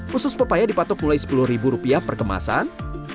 khusus pepaya dipatok mulai sepuluh ribu rupiah per kemasan